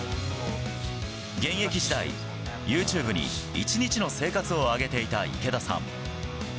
現役時代、ユーチューブに１日の生活を上げていた池田さん。